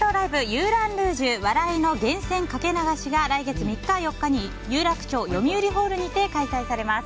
「ユーラン・ルージュ笑いの源泉かけ流し！」が来月３日、４日に有楽町よみうりホールにて開催されます。